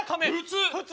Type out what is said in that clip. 普通！